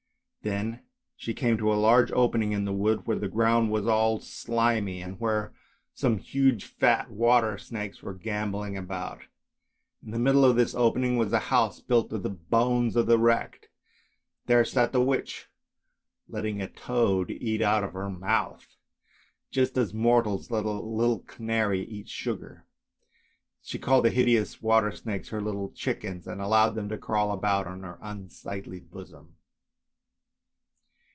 Then she came to a large opening in the wood where the ground was all slimy, and where some THE MERMAID 13 huge fat water snakes were gambolling about. In the middle of this opening was a house built of the bones of the wrecked; there sat the witch, letting a toad eat out of her mouth, just as mortals let a little canary eat sugar. She called the hideous water snakes her little chickens, and allowed them to crawl about on her unsightly bosom.